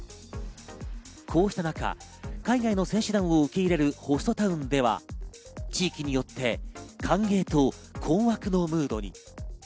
こうした中、海外の選手団を受け入れるホストタウンでは、地域によって歓迎と困惑のムードに。